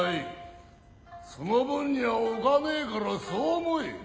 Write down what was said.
その分にはおかねえからそう思え。